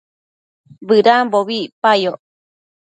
bëdambobi icpayoc